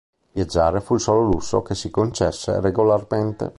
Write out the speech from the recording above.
Viaggiare fu il solo lusso che si concesse regolarmente.